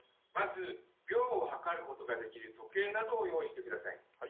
まず秒を計ることができる時計などを用意して下さい。